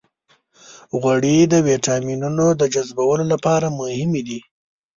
غوړې د ویټامینونو د جذبولو لپاره مهمې دي.